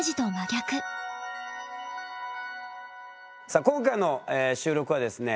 さあ今回の収録はですね